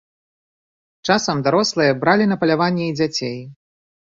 Часам дарослыя бралі на паляванне і дзяцей.